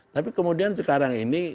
tapi kemudian sekarang ini